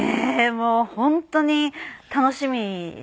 もう本当に楽しみで。